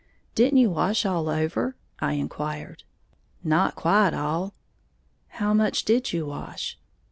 "Didn't you wash all over?" I inquired. "Not quite all." "How much did you wash?"